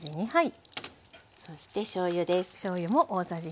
そしてしょうゆです。